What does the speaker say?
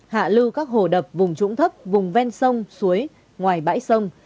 hạ lưu các hồ đập vùng trũng thấp vùng ven sông suối ngoài bãi sông